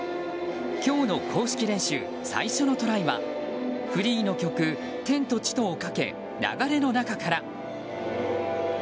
今日の公式練習、最初のトライはフリーの曲「天と地と」をかけ流れの中から。